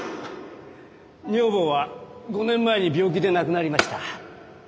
女房は５年前に病気で亡くなりました。